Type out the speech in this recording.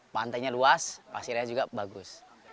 pantainya luas pasirnya juga bagus